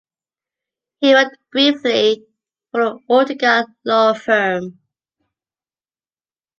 He worked briefly for a Utica law firm.